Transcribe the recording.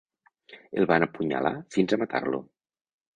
El van apunyalar fins a matar-lo.